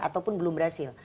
ataupun belum berhasil